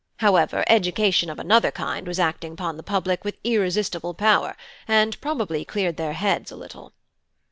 However, 'education' of another kind was acting upon the public with irresistible power, and probably cleared their heads a little.